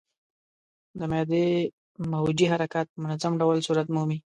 د معدې موجې حرکات په منظم ډول صورت مومي.